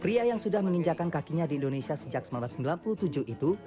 pria yang sudah menginjakan kakinya di indonesia sejak seribu sembilan ratus sembilan puluh tujuh itu